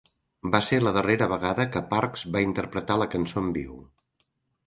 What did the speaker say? Va ser la darrera vegada que Parks va interpretar la cançó en viu.